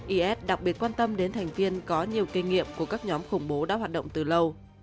is đặc biệt quan tâm đến thành viên có nhiều kinh nghiệm của các nhóm khủng bố đã hoạt động từ lâu